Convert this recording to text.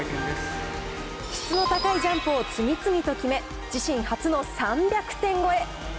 質の高いジャンプを次々と決め、自身初の３００点超え。